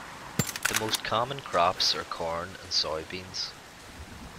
The most common crops are corn and soybeans.